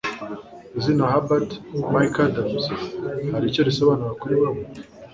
izina herbert mcadams hari icyo risobanura kuri wewe